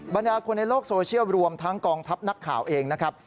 บรรดาคนในโลกโซเชียลรวมทั้งกองทัพนักข่าวเองนะครับ